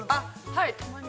◆はい。